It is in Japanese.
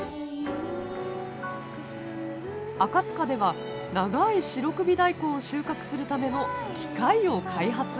赤塚では長い白首大根を収穫するための機械を開発。